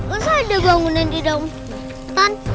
masa ada bangunan di daun